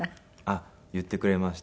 あっ言ってくれました。